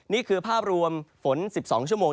นี่คือภาพรวมฝน๑๒ชั่วโมง